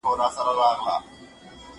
د کتابتون د کار مرسته وکړه!!